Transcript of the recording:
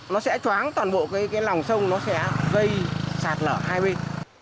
nó sẽ thoáng toàn bộ cái lòng sông nó sẽ gây sạt lở hai bên